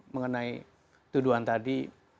mengenai tuduhan tadi